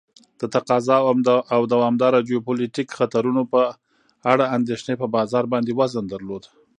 د تقاضا او دوامداره جیوپولیتیک خطرونو په اړه اندیښنې په بازار باندې وزن درلود.